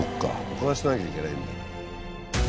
保管してなきゃいけないんだ。